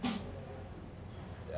ya tentu saja